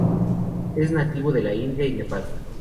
Es nativo de la India y Nepal.